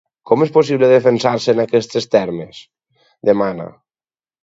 “Com és possible defensar-se en aquests termes?”, demana.